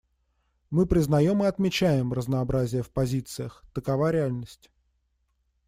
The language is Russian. Мы признаем и отмечаем разнообразие в позициях: такова реальность.